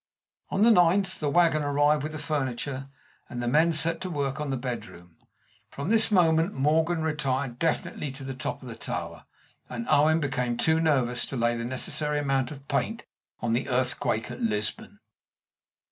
On the ninth the wagon arrived with the furniture, and the men set to work on the bedroom. From this moment Morgan retired definitely to the top of the tower, and Owen became too nervous to lay the necessary amount of paint on the Earthquake at Lisbon.